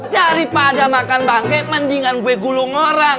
daripada makan bangke mendingan kue gulung orang